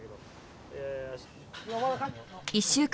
１週間後。